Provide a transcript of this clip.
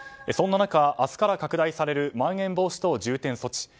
そんな中、明日から拡大されるまん延防止等重点措置。